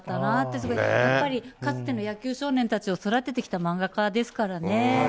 すごい、やっぱりかつての野球少年たちを育ててきた漫画家ですからね。